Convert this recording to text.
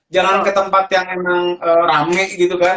jangan ke tempat yang emang rame gitu kan